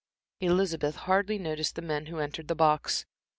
Elizabeth hardly noticed the men who entered the box.